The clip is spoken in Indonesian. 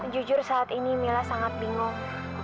jujur saat ini mila sangat bingung